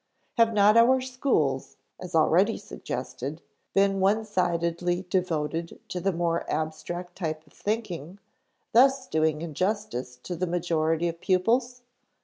Have not our schools (as already suggested, p. 49) been one sidedly devoted to the more abstract type of thinking, thus doing injustice to the majority of pupils?